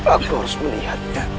aku harus melihatnya